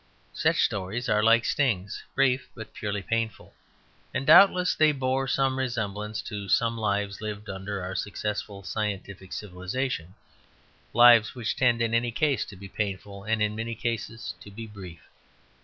Such stories are like stings; brief, but purely painful. And doubtless they bore some resemblance to some lives lived under our successful scientific civilization; lives which tend in any case to be painful, and in many cases to be brief.